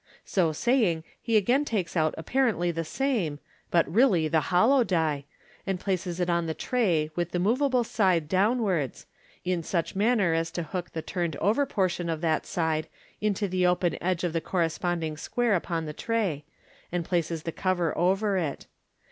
So saying, h again takes out apparently the same, but really the hollow die, and places it on the tray with the moveable side downwards, in such manner as to hook the turned over portion of that side into the open edge of the corresponding square upon the tray, and places the cover over it.